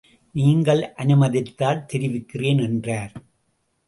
நீங்கள் அனுமதித்தால் தெரிவிக்கிறேன் என்றார்.